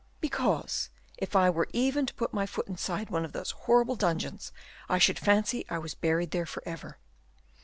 "Because if I were even to put my foot inside one of those horrible dungeons, I should fancy I was buried there forever."